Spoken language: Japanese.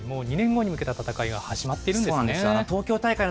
もう２年後に向けた戦いが始まっているんですね。